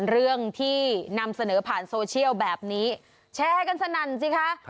เรื่องที่นำเสนอผ่านโซเชียลแบบนี้แชร์กันสนั่นสิคะ